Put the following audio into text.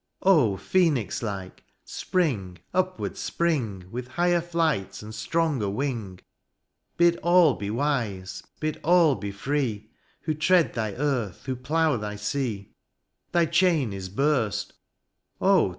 Oh ! Phenix Uke, spring, upward spring. With higher flight and stronger wing ; Bid all be wise, bid aU be free. Who tread thy earth, who plough thy sea ; Thy chain is burst, oh!